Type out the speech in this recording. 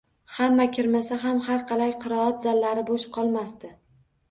Hamma kirmasa ham, harqalay, qiroat zallari bo`sh qolmasdi